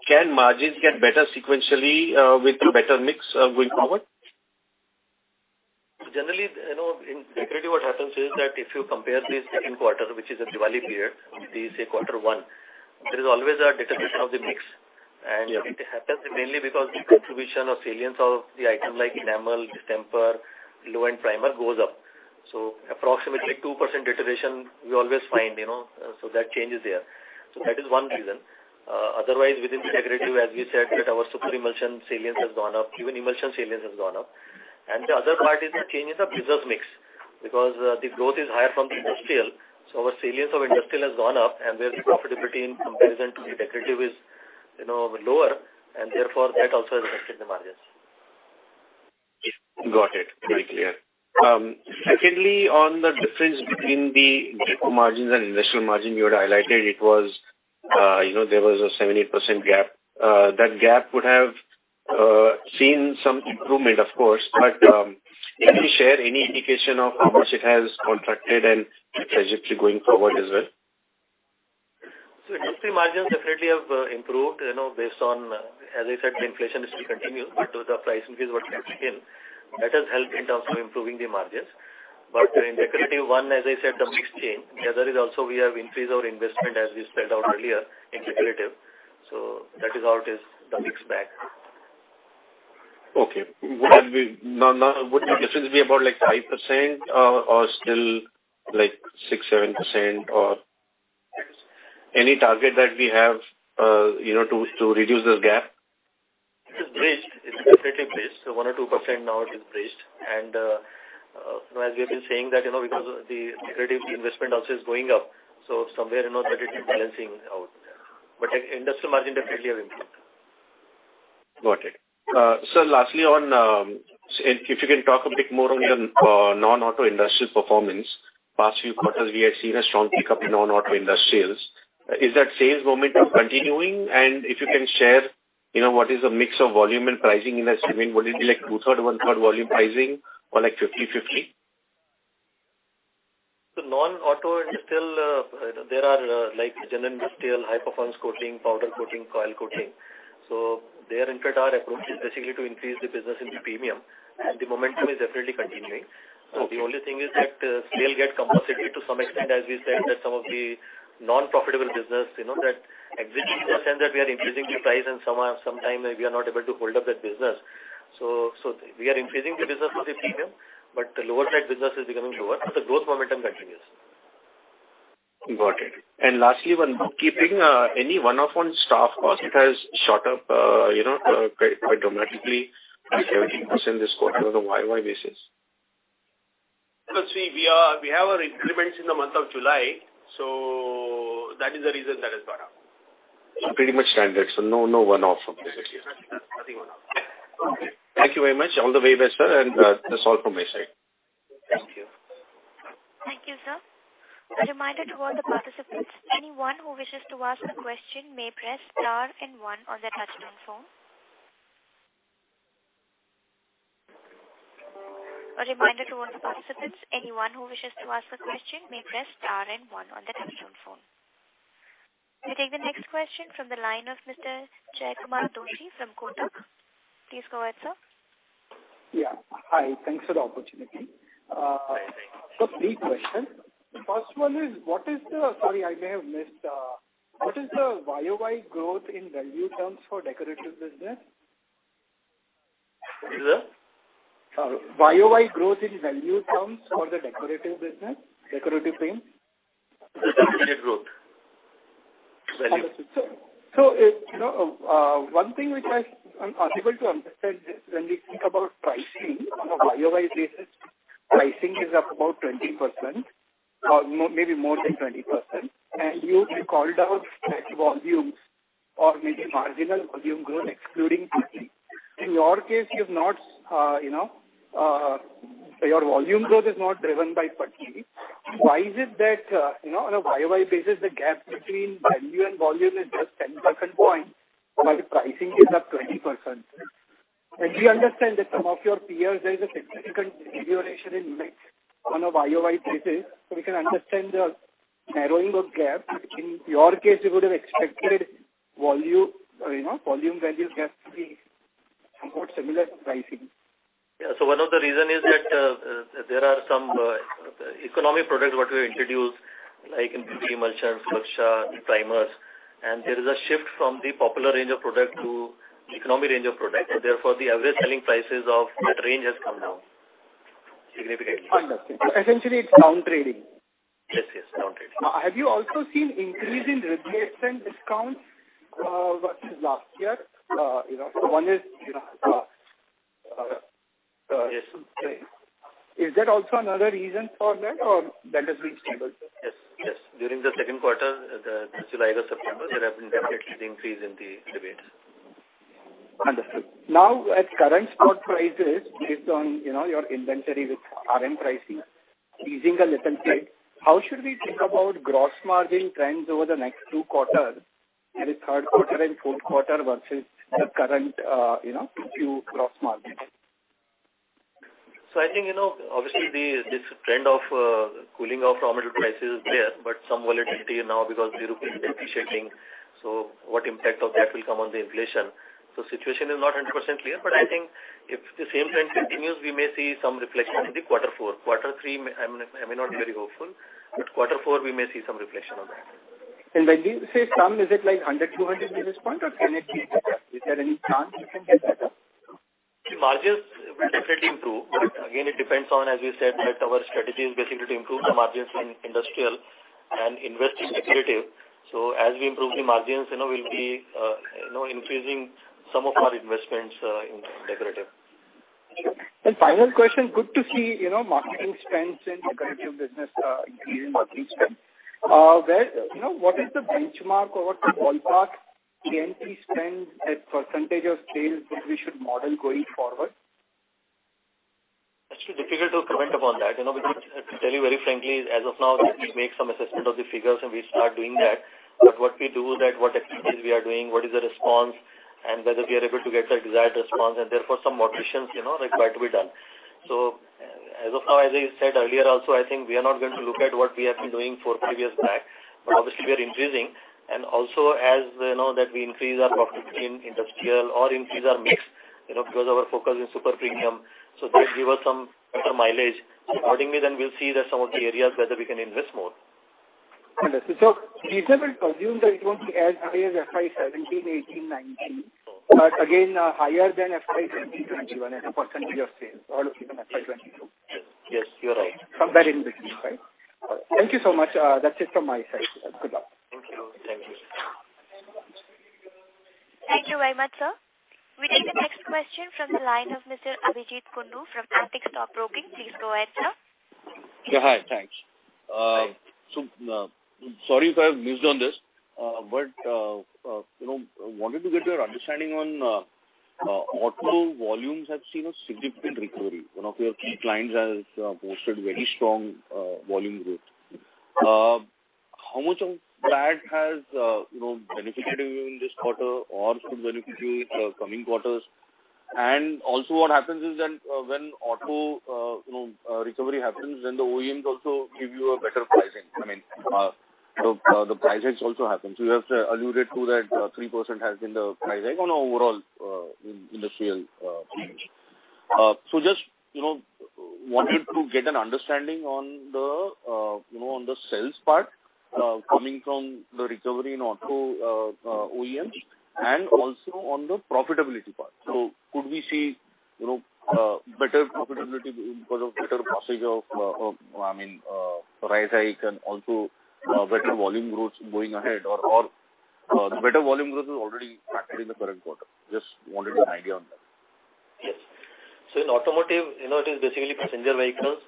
Can margins get better sequentially with the better mix going forward? Generally, you know, in decorative what happens is that if you compare the second quarter, which is a Diwali period, with, say, quarter one, there is always a deterioration of the mix. It happens mainly because the contribution or salience of the items like enamel, distemper, low-end primer goes up. Approximately 2% deterioration we always find, you know, so that change is there. That is one reason. Otherwise within decorative, as we said that our super emulsion salience has gone up, even emulsion salience has gone up. The other part is the change of business mix, because the growth is higher from the industrial. Our salience of industrial has gone up, and there the profitability in comparison to the decorative is, you know, lower, and therefore that also has affected the margins. Got it. Very clear. Secondly, on the difference between the decorative margins and industrial margin you had highlighted, it was, you know, there was a 78% gap. That gap would have seen some improvement of course, but can you share any indication of how much it has contracted and potentially going forward as well? Industry margins definitely have improved, you know, based on, as I said, the inflation is to continue. With the price increase what we have seen, that has helped in terms of improving the margins. In decorative one, as I said, the mix change. The other is also we have increased our investment as we spelled out earlier in decorative. That is how it is, the mix back. Okay. Would the difference be about like 5% or still like 6%-7% or any target that we have, you know, to reduce this gap? It is bridged. It's definitely bridged. 1%-2% now it is bridged. As we have been saying that, you know, because the decorative investment also is going up, so somewhere or another it is balancing out. Industrial margin definitely have improved. Got it. Lastly, if you can talk a bit more on your non-auto industrial performance. Past few quarters we have seen a strong pickup in non-auto industrials. Is that sales momentum continuing? If you can share, you know, what is the mix of volume and pricing in that segment? Would it be like 2/3, 1/3 volume pricing or like 50/50? The non-auto is still there are, like, general industrial, high performance coating, powder coating, coil coating. There in fact our approach is basically to increase the business in the premium and the momentum is definitely continuing. Okay. The only thing is that scale gets compromised to some extent, as we said, that some of the non-profitable business, you know, the existing percent that we are increasing the price and sometimes we are not able to hold up that business. We are increasing the business with the premium, but the lower side business is becoming lower. The growth momentum continues. Got it. Lastly, one more. Keeping any one-off on staff cost, it has shot up, you know, quite dramatically, like 17% this quarter on a YOY basis. Because, see, we have our increments in the month of July, so that is the reason that has gone up. Pretty much standard. No one-off basically. Nothing one-off. Okay. Thank you very much. All the best, sir. That's all from my side. Thank you. Thank you, sir. A reminder to all the participants, anyone who wishes to ask a question may press star and one on their touchtone phone. We take the next question from the line of Mr. Jaykumar Doshi from Kotak. Please go ahead, sir. Yeah. Hi. Thanks for the opportunity. So three questions. First one is, sorry, I may have missed, what is the YOY growth in value terms for decorative business? What is that? YOY growth in value terms for the decorative business, decorative paints. Decorative growth. Value. Understood. One thing which I'm unable to understand is when we think about pricing on a YOY basis, pricing is up about 20% or maybe more than 20%. You called out volumes or maybe marginal volume growth excluding paints. In your case, you've not your volume growth is not driven by paints. Why is it that, you know, on a YOY basis, the gap between value and volume is just 10 percentage points while the pricing is up 20%? We understand that some of your peers, there is a significant deterioration in mix on a YOY basis, so we can understand the narrowing of gap. In your case, we would have expected volume, you know, volume value gap to be somewhat similar to pricing. One of the reason is that there are some economic products what we have introduced, like in premium emulsion, flush, primers. There is a shift from the popular range of product to economic range of product. Therefore the average selling prices of that range has come down significantly. Understood. Essentially it's down trading. Yes. Yes. Down trading. Have you also seen increase in replacement discounts versus last year? You know, one is, you know, Yes. Is that also another reason for that or that has been stable? Yes. During the second quarter, the July to September, there has been definitely the increase in the rebates. Understood. Now at current spot prices based on, you know, your inventory with RM pricing easing a little bit. Right. How should we think about gross margin trends over the next two quarters, that is third quarter and fourth quarter versus the current Q2 gross margins? I think, you know, obviously this trend of cooling of raw material prices is there, but some volatility now because the rupee is depreciating, so what impact of that will come on the inflation. Situation is not 100% clear, but I think if the same trend continues, we may see some reflection in the quarter four. Quarter three, I may not be very hopeful, but quarter four we may see some reflection on that. When you say some, is it like 100 basis points, 200 basis points or can it be better? Is there any chance it can get better? The margins will definitely improve. Again, it depends on, as we said, that our strategy is basically to improve the margins in industrial and invest in decorative. As we improve the margins, you know, we'll be, you know, increasing some of our investments, in decorative. Final question. Good to see, you know, marketing spends in decorative business increasing quarter. Where, you know, what is the benchmark or what's the ballpark can we spend a percentage of sales that we should model going forward? Difficult to comment upon that. You know, we need to tell you very frankly, as of now, we need to make some assessment of the figures, and we start doing that. What we do that, what activities we are doing, what is the response, and whether we are able to get the desired response, and therefore some modifications, you know, required to be done. As of now, as I said earlier also, I think we are not going to look at what we have been doing for previous back. Obviously we are increasing, and also as you know that we increase our profit in industrial or increase our mix, you know, because our focus is super premium, so that give us some better mileage. Accordingly then we'll see that some of the areas whether we can invest more. Understood. Reasonable to assume that it won't be as high as FY 2017, 2018, 2019, but again, higher than FY 2021 as a percentage of sales, all of FY 2022. Yes. Yes, you are right. Somewhere in between, right? All right. Thank you so much. That's it from my side. Good luck. Thank you. Thank you. Thank you very much, sir. We take the next question from the line of Mr. Abhijeet Kundu from Antique Stock Broking. Please go ahead, sir. Yeah. Hi. Thanks. So, sorry if I have missed this, but you know, wanted to get your understanding on auto volumes have seen a significant recovery. One of your key clients has posted very strong volume growth. How much of that has you know, benefited you in this quarter or should benefit you in the coming quarters? Also what happens is then, when auto you know, recovery happens, then the OEMs also give you a better pricing. I mean, the price hike also happens. You have alluded to that, 3% has been the price hike on overall, in the sale point. Just, you know, wanted to get an understanding on the, you know, on the sales part coming from the recovery in auto OEMs and also on the profitability part. Could we see, you know, better profitability because of better pass-through of, I mean, price hike and also better volume growth going ahead or the better volume growth is already factored in the current quarter? Just wanted an idea on that. Yes. In automotive, you know, it is basically passenger vehicles,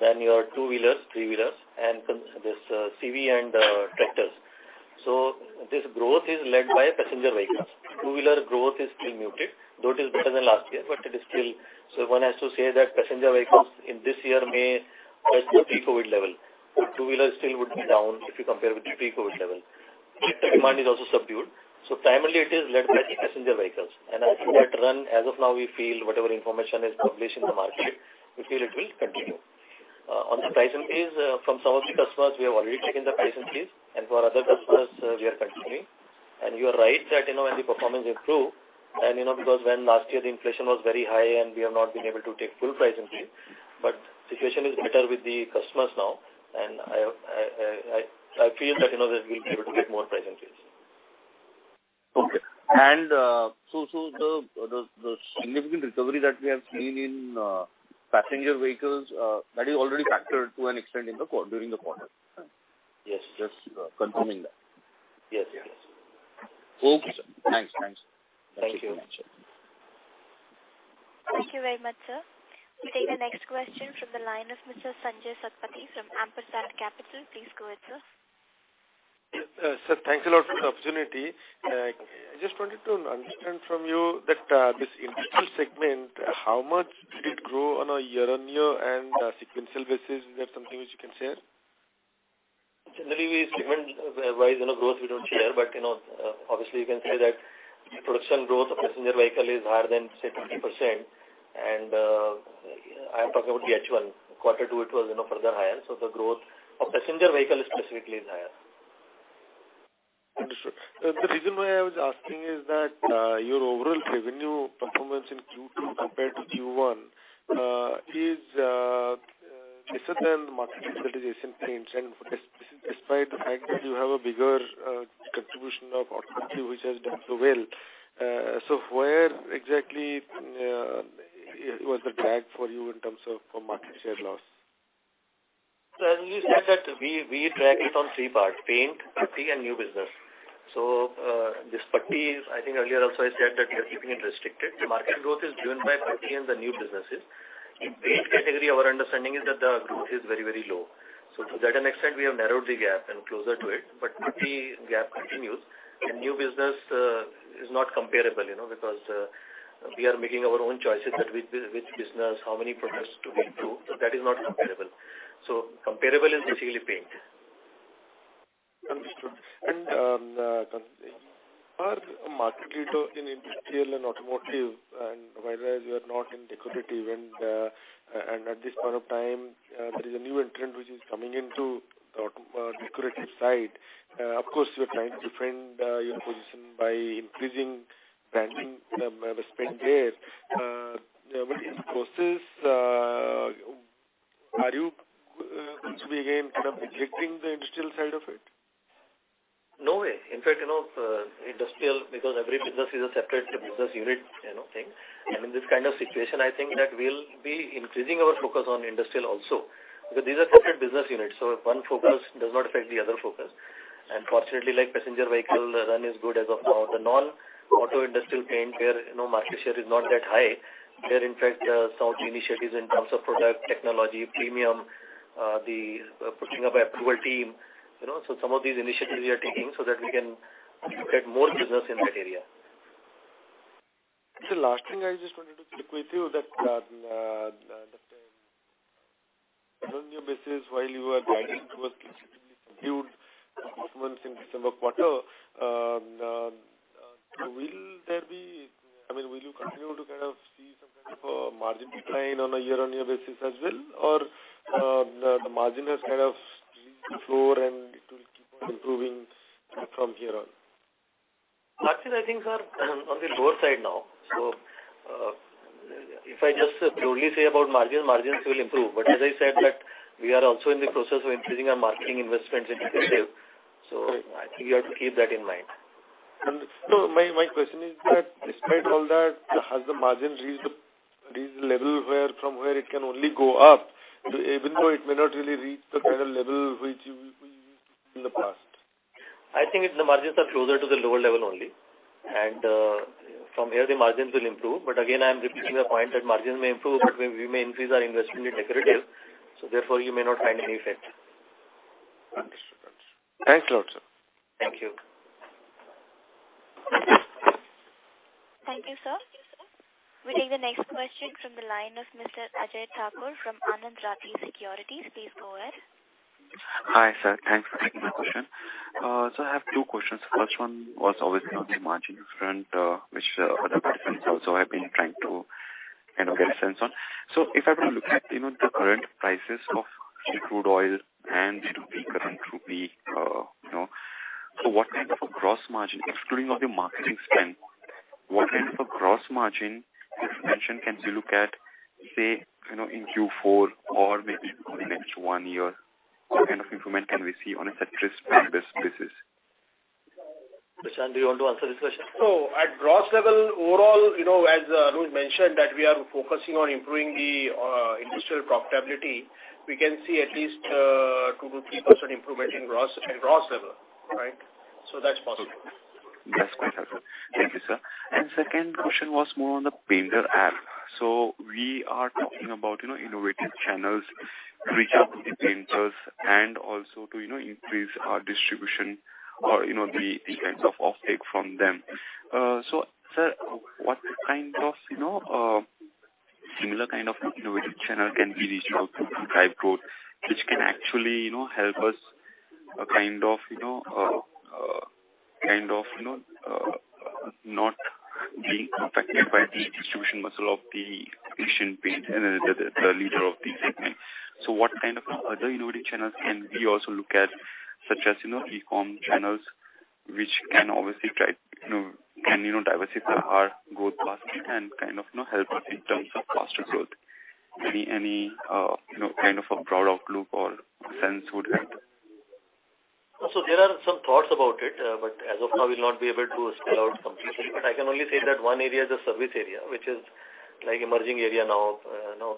then your two-wheelers, three-wheelers, and CV and tractors. This growth is led by passenger vehicles. Two-wheeler growth is still muted, though it is better than last year, but it is still. One has to say that passenger vehicles in this year may touch the pre-COVID level. Two-wheeler still would be down if you compare with the pre-COVID level. Tractor demand is also subdued. Primarily it is led by the passenger vehicles. And as you had run, as of now, we feel whatever information is published in the market, we feel it will continue. On the price increase, from some of the customers we have already taken the price increase, and for other customers, we are continuing. You are right that, you know, when the performance improve and, you know, because when last year the inflation was very high and we have not been able to take full price increase, but situation is better with the customers now, and I feel that, you know, that we'll be able to get more price increase. Okay. The significant recovery that we have seen in passenger vehicles that is already factored to an extent during the quarter. Yes. Just confirming that. Yes. Yes. Okay, sir. Thanks. Thank you. Thank you very much. Thank you very much, sir. We take the next question from the line of Mr. Sanjaya Satapathy from Ampersand Capital. Please go ahead, sir. Yes. Sir, thanks a lot for the opportunity. I just wanted to understand from you that, this industrial segment, how much did it grow on a year-over-year and a sequential basis? Is there something which you can share? Generally, we segment-wise, you know, growth we don't share, but you know, obviously you can say that production growth of passenger vehicle is higher than, say, 20%. I am talking about the H1. Quarter two, it was, you know, further higher. The growth of passenger vehicle specifically is higher. Understood. The reason why I was asking is that your overall revenue performance in Q2 compared to Q1 is lesser than the market utilization paints. Despite the fact that you have a bigger contribution of automotive, which has done so well. Where exactly was the drag for you in terms of market share loss? As we said that we track it on three parts, paint, putty, and new business. This putty is I think earlier also I said that we are keeping it restricted. The market growth is driven by putty and the new businesses. In paint category, our understanding is that the growth is very, very low. To that extent, we have narrowed the gap and closer to it, but putty gap continues and new business is not comparable, you know, because we are making our own choices that which business, how many products to go through. That is not comparable. Comparable is basically paint. Understood. You are a market leader in industrial and automotive, whereas you are not in decorative, and at this point of time, there is a new entrant which is coming into decorative side. Of course, you are trying to defend your position by increasing branding, the spend there. With this process, are you once again kind of neglecting the industrial side of it? No way. In fact, you know, industrial, because every business is a separate business unit, you know, thing. I mean, this kind of situation, I think that we'll be increasing our focus on industrial also, because these are separate business units, so if one focus does not affect the other focus. Fortunately, like passenger vehicle, the run is good as of now. The non-auto industrial paint where, you know, market share is not that high, there. In fact, some initiatives in terms of product, technology, premium, the pushing up our approval team, you know. So some of these initiatives we are taking so that we can get more business in that area. The last thing I just wanted to check with you that on your basis while you are guiding towards significantly subdued performance in December quarter, will there be, I mean, will you continue to kind of see some kind of a margin decline on a year-on-year basis as well? Or, the margin has kind of reached the floor and it will keep on improving from here on. Margins I think are on the lower side now. If I just broadly say about margin, margins will improve. As I said that we are also in the process of increasing our marketing investments in decorative. I think you have to keep that in mind. No, my question is that despite all that, has the margin reached the level from where it can only go up, even though it may not really reach the kind of level which you reached in the past? I think the margins are closer to the lower level only, and from here the margins will improve. Again, I'm repeating the point that margins may improve, but we may increase our investment in decorative, so therefore you may not find any effect. Understood. Thanks a lot, sir. Thank you. Thank you, sir. We take the next question from the line of Mr. Ajay Thakur from Anand Rathi Securities. Please go ahead. Hi, sir. Thanks for taking my question. I have two questions. First one was obviously on the margin front, which other participants also have been trying to, you know, get a sense on. If I were to look at, you know, the current prices of crude oil and rupee, current rupee, you know, what kind of a gross margin, excluding all the marketing spend, what kind of a gross margin expansion can we look at, say, you know, in Q4 or maybe over the next one year? What kind of improvement can we see on a sequential basis? Prashant, do you want to answer this question? At gross level overall, you know, as Anuj mentioned that we are focusing on improving the industrial profitability, we can see at least 2%-3% improvement in gross level, right? That's possible. That's quite helpful. Thank you, sir. Second question was more on the painter app. We are talking about, you know, innovative channels reaching out to the painters and also to, you know, increase our distribution or, you know, the kinds of off-take from them. Sir, what kind of, you know, similar kind of innovative channel can we reach out to drive growth, which can actually, you know, help us kind of, you know, not being affected by the distribution muscle of the Asian Paints and the leader of the segment. What kind of other innovative channels can we also look at, such as, you know, e-com channels, which can obviously, you know, diversify our growth path and kind of, you know, help us in terms of faster growth? Any you know, kind of a broad outlook or sense would help. There are some thoughts about it, but as of now we'll not be able to spell out completely. I can only say that one area is the service area, which is like emerging area now. You know,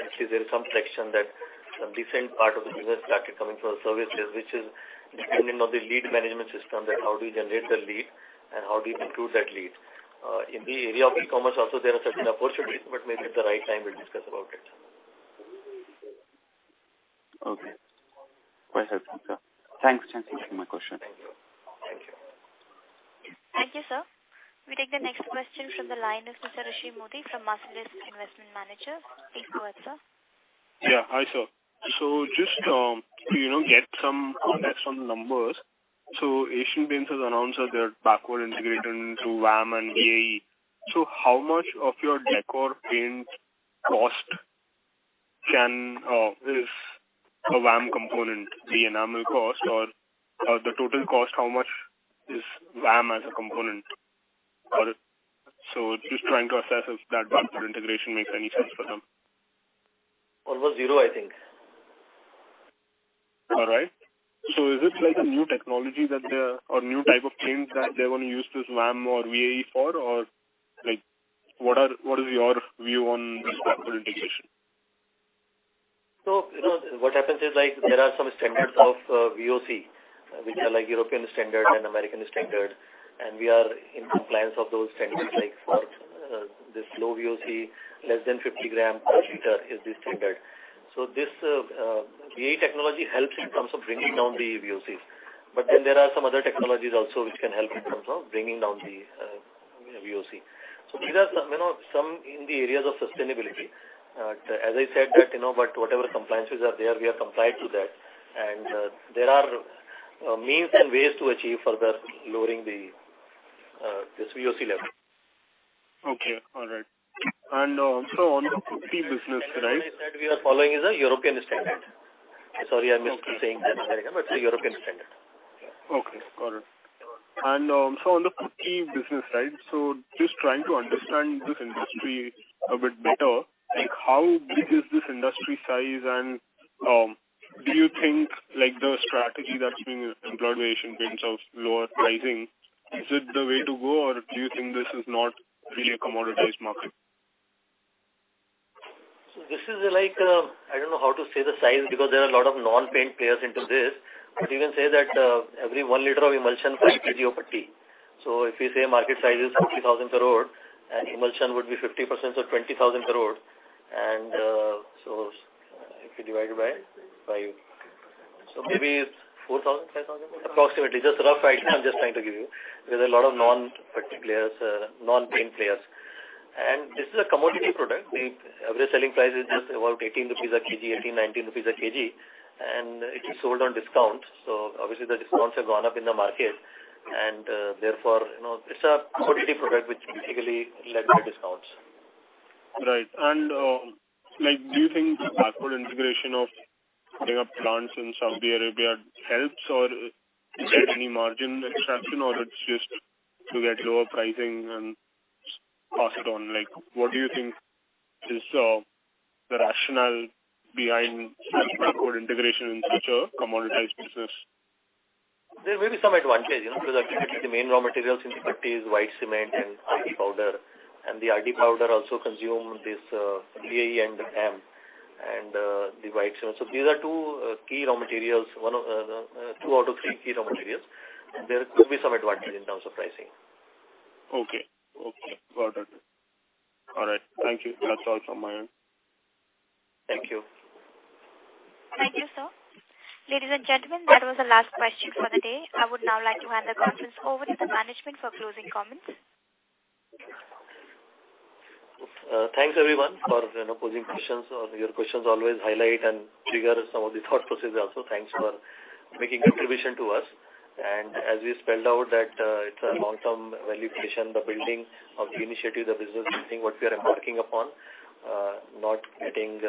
actually there is some section that some decent part of the business started coming from services, which is dependent on the lead management system that how do you generate the lead and how do you conclude that lead. In the area of e-commerce also there are certain opportunities, but maybe at the right time we'll discuss about it. Okay. Quite helpful, sir. Thanks for answering my question. Thank you. Thank you, sir. We take the next question from the line of Mr. Rishi Modi from Marcellus Investment Managers. Please go ahead, sir. Hi, sir. Just to you know get some context on numbers. Asian Paints has announced that they're backward integrated into VAM and VAE. How much of your decor paint cost is a VAM component, the enamel cost or the total cost, how much is VAM as a component? Just trying to assess if that backward integration makes any sense for them. Almost zero, I think. All right. Is this like a new technology that they are or new type of paints that they want to use this VAM or VAE for? Or like, what is your view on this backward integration? You know, what happens is like there are some standards of VOC, which are like European standard and American standard, and we are in compliance of those standards. Like for this low VOC, less than 50 grams per liter is the standard. This VAE technology helps in terms of bringing down the VOCs. There are some other technologies also which can help in terms of bringing down the you know VOC. These are some you know some in the areas of sustainability. As I said that you know but whatever compliances are there, we are compliant to that. There are means and ways to achieve further lowering this VOC level. Okay. All right. On the putty business, right? standard that we are following is a European standard. Sorry, I missed saying that. American, but it's a European standard. Okay, got it. On the putty business, right? Just trying to understand this industry a bit better, like how big is this industry size and, do you think like the strategy that's being employed by Asian Paints of lower pricing, is it the way to go or do you think this is not really a commoditized market? This is like, I don't know how to say the size because there are a lot of non-paint players into this. You can say that, every one liter of emulsion creates 3 kg of putty. If you say market size is 30,000 crore and emulsion would be 50%, so 20,000 crore and, if you divide it by five. Maybe 4,000 crore, 5,000 crore, approximately. Just a rough idea I'm just trying to give you. There's a lot of non-branded, unorganized players. This is a commodity product. The average selling price is just about 18 rupees-INR19 a kg, and it is sold on discounts. Obviously the discounts have gone up in the market and, therefore, you know, it's a commodity product which typically led by discounts. Right. Like, do you think the backward integration of putting up plants in Saudi Arabia helps or is there any margin extraction or it's just to get lower pricing and pass it on? Like, what do you think is the rationale behind such backward integration in such a commoditized business? There may be some advantage, you know, because actually the main raw materials in the putty are white cement and RDP powder. The RDP powder also consumes this VAM and the white cement. These are two key raw materials. One of two out of three key raw materials. There could be some advantage in terms of pricing. Okay. Got it. All right. Thank you. That's all from my end. Thank you. Thank you, sir. Ladies and gentlemen, that was the last question for the day. I would now like to hand the conference over to the management for closing comments. Thanks everyone for you know posing questions. Your questions always highlight and trigger some of the thought process also. Thanks for making contribution to us. As we spelled out that it's a long-term value creation, the building of the initiative, the business building, what we are embarking upon, not getting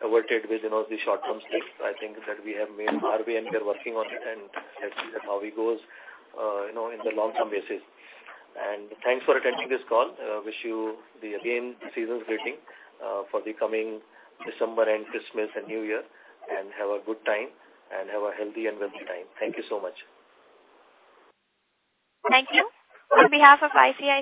diverted with you know the short-term stuff. I think that we have made our way and we are working on it and let's see how it goes you know in the long-term basis. Thanks for attending this call. Wish you again season's greetings for the coming December and Christmas and New Year. Have a good time, and have a healthy and wealthy time. Thank you so much. Thank you. On behalf of ICICI Securities.